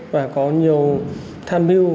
và có nhiều tham mưu